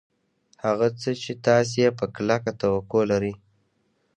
هغه څه چې تاسې یې په کلکه توقع لرئ